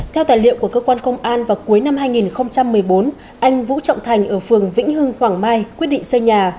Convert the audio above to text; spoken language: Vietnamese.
theo tài liệu của cơ quan công an vào cuối năm hai nghìn một mươi bốn anh vũ trọng thành ở phường vĩnh hưng quảng mai quyết định xây nhà